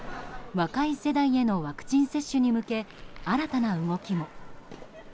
若い世代へのワクチン接種に向け新たな動きも。